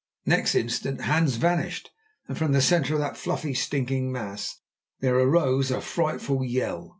Next instant Hans vanished, and from the centre of that fluffy, stinking mass there arose a frightful yell.